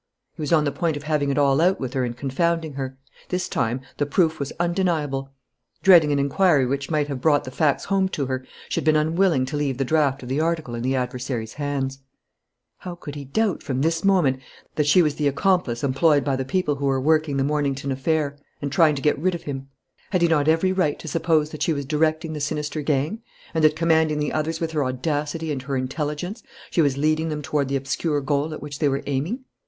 He was on the point of having it all out with her and confounding her. This time, the proof was undeniable. Dreading an inquiry which might have brought the facts home to her, she had been unwilling to leave the draft of the article in the adversary's hands. How could he doubt, from this moment, that she was the accomplice employed by the people who were working the Mornington affair and trying to get rid of him? Had he not every right to suppose that she was directing the sinister gang, and that, commanding the others with her audacity and her intelligence, she was leading them toward the obscure goal at which they were aiming?